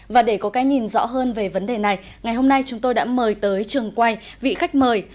và để có cái nhìn rõ hơn về vấn đề này ngày hôm nay chúng tôi đã mời tới trường quay vị khách mời